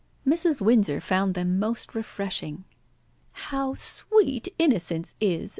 Mrs. Windsor found them most refreshing. "How sweet innocence is!"